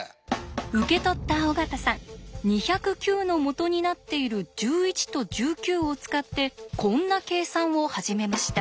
受け取った尾形さん２０９の元になっている１１と１９を使ってこんな計算を始めました。